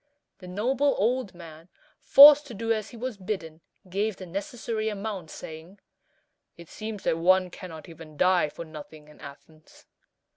The noble old man, forced to do as he was bidden, gave the necessary amount, saying, "It seems that one cannot even die for nothing in Athens."